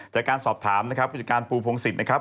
จากการสอบถามนะครับผู้จัดการปูพงศิษย์นะครับ